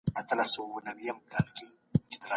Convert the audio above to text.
زه هڅه کوم چې د ژوند په چارو کې پرمختګ وکړم.